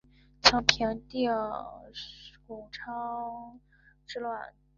曾平定宕昌羌之乱。